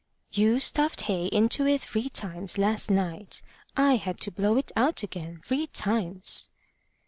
"You stuffed hay into it three times last night. I had to blow it out again three times."